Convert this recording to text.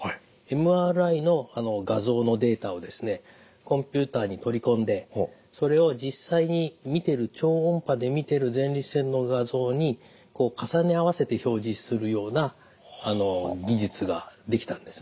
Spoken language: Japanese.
ＭＲＩの画像のデータをですねコンピューターに取り込んでそれを実際に見てる超音波で見てる前立腺の画像に重ね合わせて表示するような技術が出来たんですね。